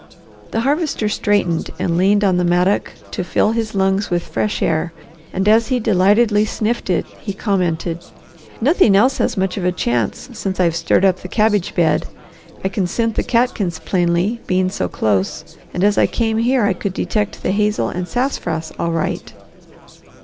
The Harvester straightened and leaned on the mattock to fill his lungs with fresh air and as he delightedly sniffed it he commented, "Nothing else has much of a chance since I've stirred up the cabbage bed. I can scent the catkins plainly, being so close, and as I came here I could detect the hazel and sassafras all right."